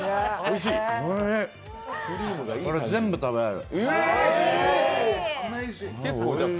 これ全部食べられる。